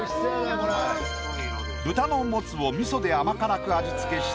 豚のモツを味噌で甘辛く味付けした。